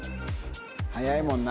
早いもんな。